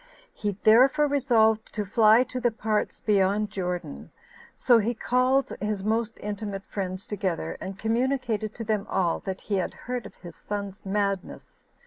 He therefore resolved to fly to the parts beyond Jordan: so he called his most intimate friends together, and communicated to them all that he had heard of his son's madness.